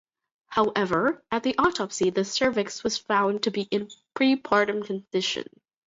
However, at autopsy the cervix was found to be in a prepartum condition.